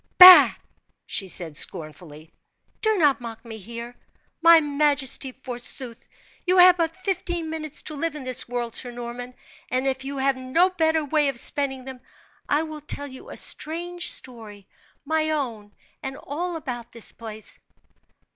"Bah!" she said, scornfully. "Do not mock me here. My majesty, forsooth! you have but fifteen minutes to live in this world, Sir Norman; and if you have no better way of spending them, I will tell you a strange story my own, and all about this place."